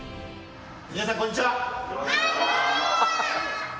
皆さんこんにちは！